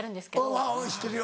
うん知ってるよ。